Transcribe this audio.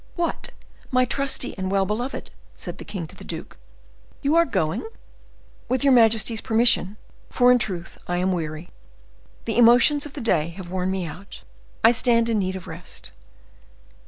"What! my trusty and well beloved!" said the king to the duke, "are you going?" "With your majesty's permission, for in truth I am weary. The emotions of the day have worn me out; I stand in need of rest."